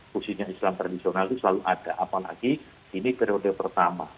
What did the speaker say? khususnya islam tradisional itu selalu ada apalagi ini periode pertama